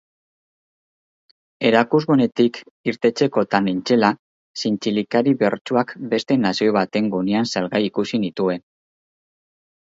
Erakusgunetik irtetzekotan nintzela zintzilikari bertsuak beste nazio baten gunean salgai ikusi nituen.